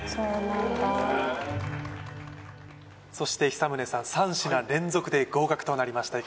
そして久宗さん３品連続で合格となりました